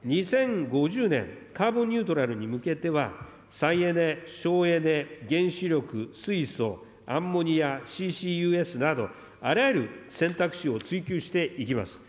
２０５０年、カーボンニュートラルに向けては、再エネ、省エネ、原子力、水素、アンモニア、ＣＣＵＳなど、あらゆる選択肢を追求していきます。